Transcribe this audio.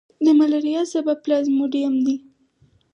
د ملیریا سبب پلازموډیم دی.